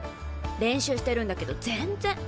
練習してるんだけど全然。